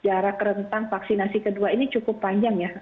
arah kerentang vaksinasi kedua ini cukup panjang ya